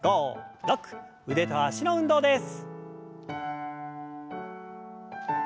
腕と脚の運動です。